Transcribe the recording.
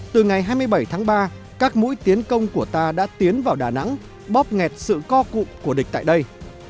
từ ngày hai mươi bảy tháng ba các mũi tiến công của ta đã tiến vào đà nẵng bóp nghẹt sự co cụm của địch tại đây